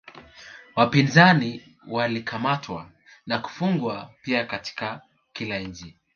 Wapinzani walikamatwa na kufungwa pia Katika kila nchi